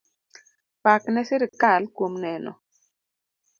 Pak ne sirkal kuom neno.